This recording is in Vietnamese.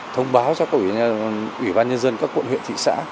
thông báo cho các ủy ban nhân dân các quận huyện thị xã